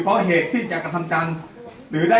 ตำรวจแห่งมือ